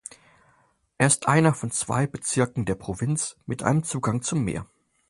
Er ist einer von zwei Bezirken der Provinz mit einem Zugang zum Meer.